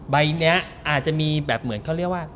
ใบนี้อาจจะมีแบบเหมือนเขาเรียกว่า